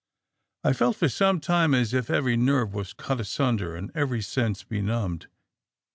"I felt for some time as if every nerve was cut asunder and every sense benumbed.